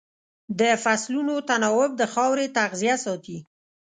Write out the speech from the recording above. د فصلونو تناوب د خاورې تغذیه ساتي.